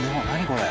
これ。